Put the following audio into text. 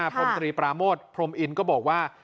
พรมตรีปรามโตร์พรมอินตร์ก็บอกว่า